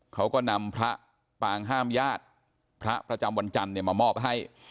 เขาก็นำพระปางห้ามญาติพระประจำวันจันทร์เนี่ยมามอบให้